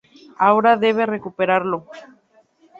Ahora debe recuperarlo.